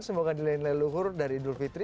semoga dinilai leluhur dari idul fitri